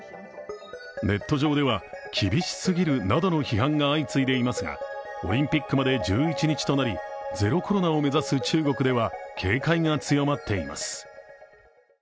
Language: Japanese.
ネット上では厳しすぎるなどの批判が相次いでいますがオリンピックまで１１日となりゼロコロナを目指す中国では警戒が強まっています。